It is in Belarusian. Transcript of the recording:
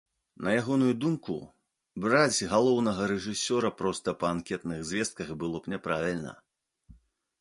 На ягоную думку, браць галоўнага рэжысёра проста па анкетных звестках было б няправільна.